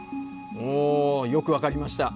およく分かりました。